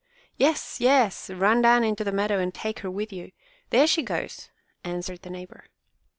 Yes, yes! Run down into the meadow and take her with you. There she goes!" answered the neighbor.